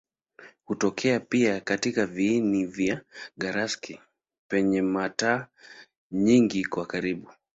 Hutokea pia katika viini vya galaksi penye mata nyingi kwa karibu.